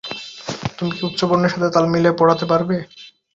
তুমি কী উচ্চবর্ণের সাথে তাল মিলিয়ে পড়াতে পারবে?